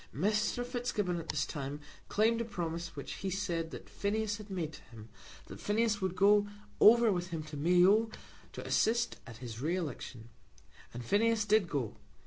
Mr. Fitzgibbon at this time claimed a promise which he said that Phineas had made to him, that Phineas would go over with him to Mayo to assist at his re election. And Phineas did go.